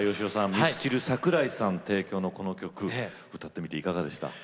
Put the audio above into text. ミスチル桜井さん提供のこの曲歌ってみていかがでしたか？